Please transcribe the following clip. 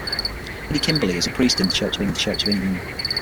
Lady Kimberley is a priest in the Church of England.